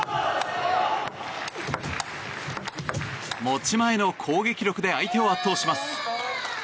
持ち前の攻撃力で相手を圧倒します。